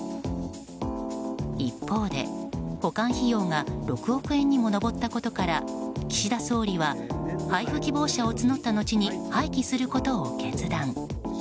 一方で保管費用が６億円にも上ったことから岸田総理は配布希望者を募った後に廃棄することを決断。